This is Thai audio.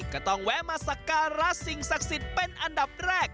แวะมาสักการะสิ่งศักดิ์สิทธิ์เป็นอันดับแรก